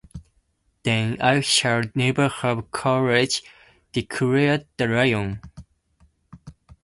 "Then I shall never have courage," declared the Lion.